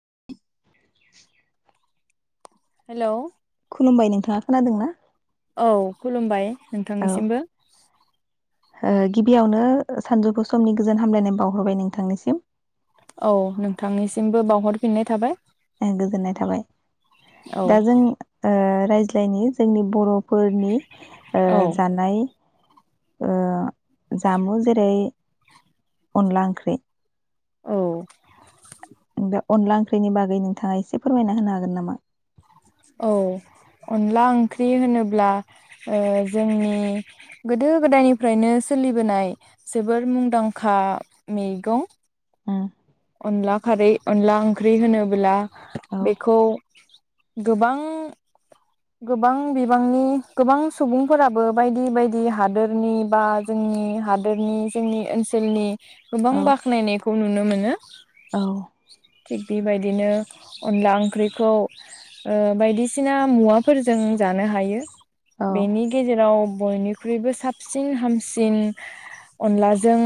[unintelligible] Hello खुलुमबाय नोंथाङा खोनादों ना? औ खुलुमबाय नोंथांनिसिमबो ओ गिबियावनो सानजौफु समनि गोजोन हामलायनाय बावहरबाय नोंथांनिसिम औ नोंथांनिसिमबो बावहरफिननाय थाबाय ओं गोजोननाय थाबाय। औ दा जों ओ रायज्लायनि जोंनि बर' फोरनि ओ औ जानाय ओ जामुं जेरै अनला ओंख्रि औ बे अनला ओंख्रिनि बागै नोंथाङा एसे फोरमायना होनो हागोन नामा? औ अनला ओंख्रि होनोब्ला ओ जोंनि गोदो गोदायनिफ्रायनो सोलिबोनाय जोबोर मुंदांखा मैगं उम अनला खारै अनला ओंख्रि होनोबो्ला औ बेखौ गोबां गोबां बिबांनि गोबां सुबुंफोराबो बायदि बायदि हादोरनि बा जोंनि हादोरनि जोंनि ओनसोलनि गोबां औ बाख्नायनायखौ नुनो मोनो। औ थिग बेबायदिनो अनला ओंख्रिखौ ओ बायदिसिना मुवा फोरजों जानो हायो। औ बेनि गेजेराव बयनिख्रुइबो साबसिन हामसिन अनलाजों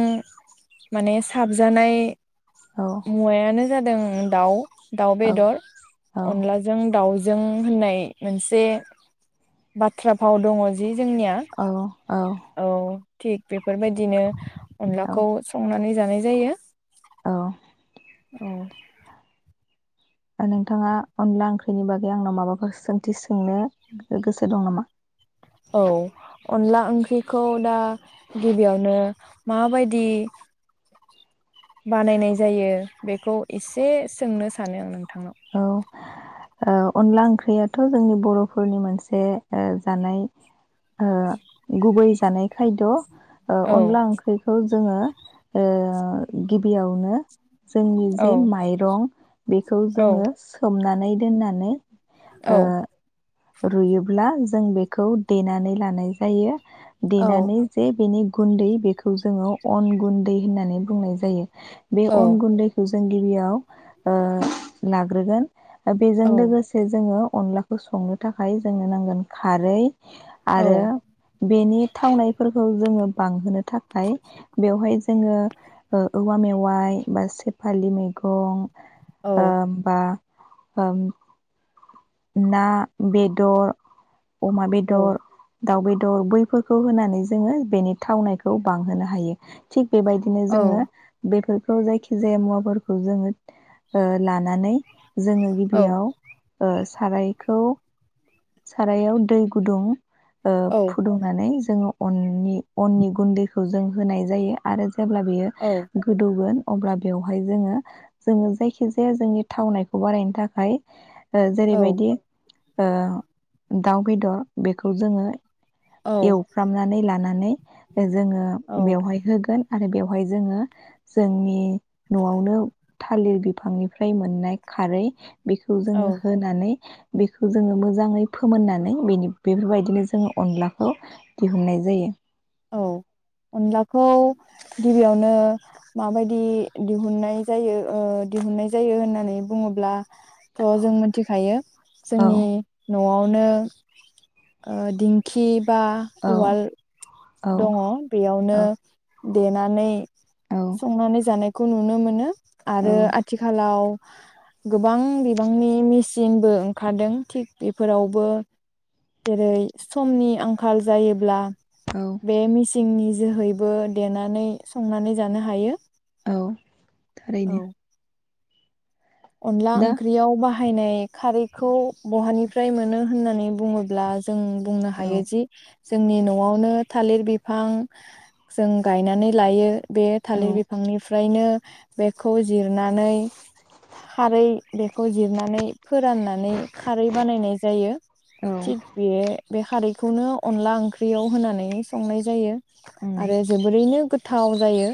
माने साबजानाय औ मुवायानो जादों दाउ दाउ औ बेदर अनलाजों दाउ जों होननाय मोनसे बाथ्रा भाव दङ' जि जोंनिया औ थिग बेफोरबायदिनो औ अनलाखौ संनानै जानाय जायो। नोंथाङा अनला ओंख्रिनि बागै आंनाव माबाफोर सोंथि सोंनो गोसो दं नामा? औ अनला ओंख्रिखौ दा गिबियावनो माबायदि बानायनाय जायो बेखौ एसे सोंनो सानो आं औ [unintelligible] ओ अनला ओंख्रियाथ' जोंनि बर'फोरनि मोनसे ओ जानाय ओ गुबै जानाय खायद'। ओ औ अनला ओंख्रिखौ जोङो ओ गिबियावनो जोंनि औ जे माइरं बेखौ औ जोङो सोमना नै दोननानै ओ औ रुयोब्ला जों बेखौ देनानै लानाय जायो। औ देनानै जे बिनि गुन्दै बेखौ जोङो अन गुन्दै होननानै बुंनाय जायो। बे औ अन गुन्दैखौ जों गिबियाव ओ लाग्रोगोन बेजों औ लोगोसे जोङो अनलाखौ संनो थाखाय जोंनो नांगोन खारै औ आरो बेनि थावनायफोरखौ जोङो बांहोनो थाखाय बेवहाय जोङो औवा मेवाइ बा सेफालि मैगं औ ओ। [unintelligible] ना बेदर। अमा औ बेदर। दाउ बेदर बैफोरखौ होनानै जोङो बेनि थावनायखौ बांहोनो हायो थिग। बेबायदिनो जोङो बेफोर। जायखि जाया मुवाफोरखौ जोङो लानानै। जोङो औ गिबियाव ओ। सारायखौ सारायाव दै गुदुं। ओ फुदुंनानै जोङो अननि अननि गुन्दैखौ जों होनाय जायो आरो। जेब्ला बेयो गोदौगोन अब्ला बेवहाय जोङो जोङो जायखि जाया जोंनि थावनायखौ बारायनो थाखाय। जेरैबायदि। दाउ बेदर बेखौ जोङो। एवफ्रामनानै लानानै जोङो औ औ बेवहाय होगोन। आरो बेवहाय जोङो जोंनि न'आवनो थालिर बिफांनिफ्राय मोननाय खारै बेखौ औ जोङो। बेखौ जोङो मोजाङै फोमोननानै बेफोरबायदिनो जोङो अनलाखौ दिहुननाय जायो। औ अनलाखौ गिबियावनो माबायदि दिहुननाय जायो दिहुननाय जायो होननानै बुङोब्ला। थ' जों मिथिखायो औ जोंनि। न'आवनो ओ दिंखि बा औ उवाल। औ दङ बेयावनो। औ देनानै। औ संनानै जानाय- खौ नुनो मोनो। औ आरो आथिखालाव। गोबां बिबांनि मेसिनबो ओंखारदों थिग बेफोरावबो जेरै समनि आंखाल जायोब्ला औ बे मि सिननि जोहैबो देनानै संनानै जानो हायो। औ। औ थारैनो! अनला दा ओंख्रियाव बाह हायनाय खारैखौ बहानिफ्राय मोनो होननानै बुङोब्ला जों बुंनो हायो औ जि जोंनि न'आवनो थालिर बिफां जों गायनानै लायो। बे औ थालिर बिफांनि फ्रायनो बेखौ जिरनानै थारै बेखौ जिरनानै फोराननानै खारै बानायनाय जायो औ थिग बिए बे खारैखौनो अनला ओंख्रियाव होनानै संनाय जायो। उम आरो जोबोरैनो गोथ थाव जायो।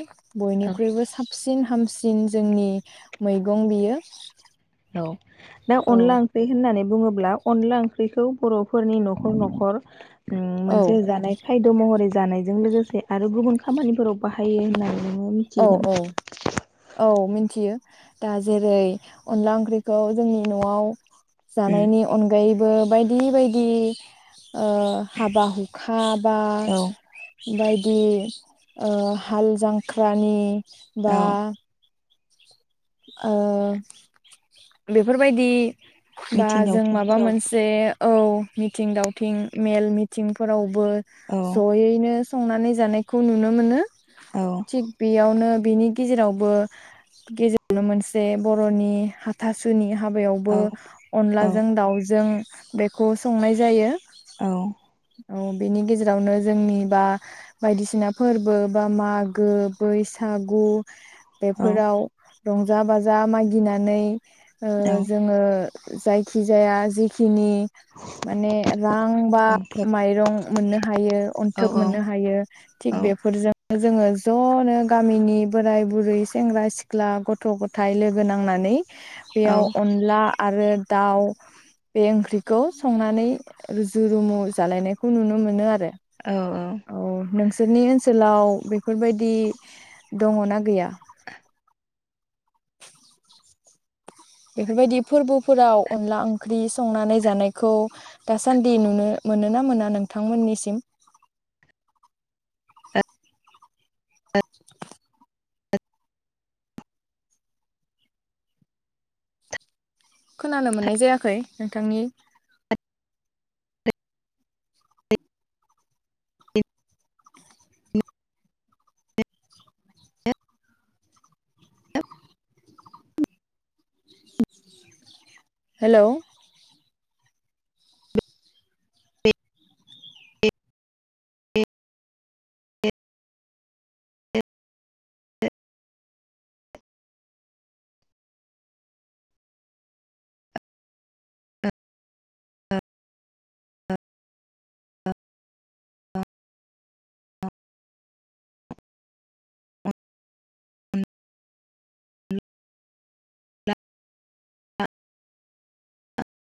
औ बयनिख्रुइबो साफ सिन हामसिन जोंनि मैगं बियो। [unintelligible] औ। दा औ अनला ओंख्रि होननानै बुङो ब्ला अनला ओंख्रिखौ बर'फोरनि न'खर न'खर उम औ मोनसे जानाय खायद' महरै जानायजों लोगोसे आरो गुबुन खामानिफोराव बाहायो होननाय औ औ। औ मिन्थियो दा जेरै अनला ओंख्रिखौ जोंनि न'आव नामा? जानायनि अनगायै बो बायदि बायदि ओ हाबा हुखा बा? उम औ बायदि ओ हाल जां ख्रानि बा औ ओ बेफोरबायदि बा मिथिं जों माबा दावथिंफोराव मोनसे औ मिथिं दावथिं मेल मिथिंफोराव बो औ ज'यैनो संनानै जानायखौ नुनो मोनो। औ थिग बेयावनो बेनि गेजेरावबो गेजे नो मोनसे बर'नि हाथासुनि हाबायावबो औ औ अनलाजों दाउजों बेखौ संनाय जायो। औ। औ बेनि गेजेरावनो जोंनि बा बायदिसिना फोरबो बा मागो, बैसागु। औ बेफोराव रंजा बाजा मागिनानै ओ औ जोङो जायखिजाया जिखिनि माने रां बा अन्थोब माइरं मोननो हायो औ अन्थोब औ मोननो हायो औ थिग बेफोरजों जोङो जनो गामिनि बोराय बुरै सेंग्रा सिख्ला सिख्ला गथ' गथाय लोगो नांनानै औ बेयाव अनला आरो दाउ बे ओंख्रिखौ संनानै रुजु रुमु जालायनायखौ नुनो मोनो आरो औ औ नोंथांनि ओनसोलाव बेफोरबायदि दङना गैया बेफोरबायदि फोरबोफोराव अनला ओंख्रि संनानै जानायखौ दासान्दि नुनो मोन ना मोना नोंथांमोननिसिम [unintelligible] [unintelligible] खोनानो मोननाय जायाखै नोंथांनि ए ए ए [inaudible] हेलौ उम [inaudible]